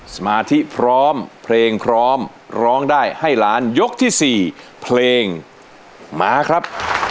สมาธิพร้อมเพลงพร้อมร้องได้ให้ล้านยกที่๔เพลงมาครับ